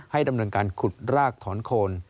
ดำเนินการขุดรากถอนโคน